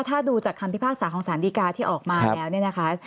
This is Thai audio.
ถ้าดูจากคำพิพากษาของสารดีกาที่ออกมาแล้วเนี่ยนะคะ